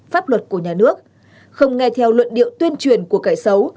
pháp luật của nhà nước không nghe theo luận điệu tuyên truyền của cải xấu